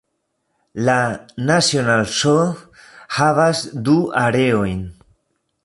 La "National Zoo" havas du areojn.